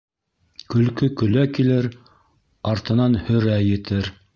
Көлкө көлә килер, артынан һөрә етер.